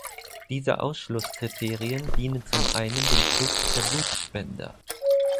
Diese Ausschlusskriterien dienen zum einen dem Schutz der Blutspender.